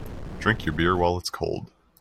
Drink your beer while it's cold.